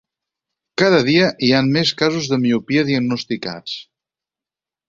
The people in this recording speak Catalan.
Cada dia hi han més casos de miopia diagnosticats.